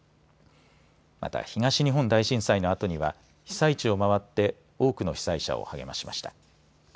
また、東日本大震災のあとには被災地を回って多くの被災者を励ましました。